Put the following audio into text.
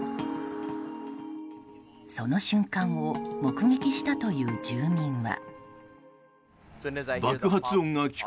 その瞬間を目撃したという住民は。